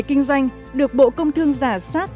kinh doanh được bộ công thương giả soát